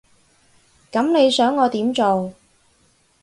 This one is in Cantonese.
噉你想我點做？